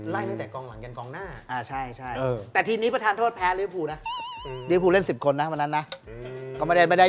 ไล่ตั้งแต่กองหลังกันกองหน้า